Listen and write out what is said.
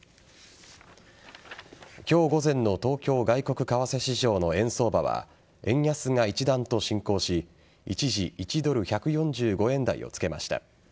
今日午前の東京外国為替市場の円相場は円安が一段と進行し一時１ドル１４５円台をつけました。